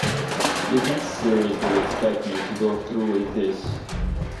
You can't seriously expect me to go through with this?